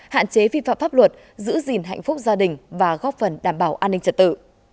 hạn chế vi phạm pháp luật giữ gìn hạnh phúc gia đình và góp phần đảm bảo an ninh trật tự